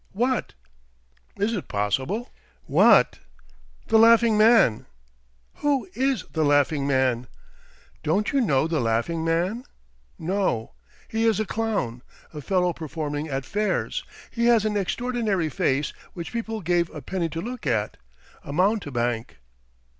"What?" "Is it possible?" "What?" "The Laughing Man!" "Who is the Laughing Man?" "Don't you know the Laughing Man?" "No." "He is a clown, a fellow performing at fairs. He has an extraordinary face, which people gave a penny to look at. A mountebank."